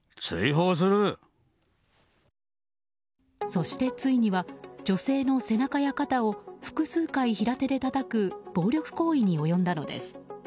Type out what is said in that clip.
そして、ついには女性の背中や肩を複数回、平手でたたく暴力行為に及んだのです。